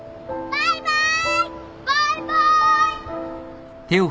バイバイ！